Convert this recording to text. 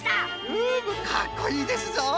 うむかっこいいですぞ！